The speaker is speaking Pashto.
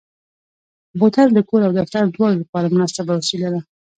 بوتل د کور او دفتر دواړو لپاره مناسبه وسیله ده.